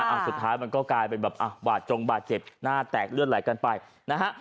อ่ะสุดท้ายมันก็กลายเป็นแบบอ่ะบาดจงบาดเจ็บหน้าแตกเลือดไหลกันไปนะฮะ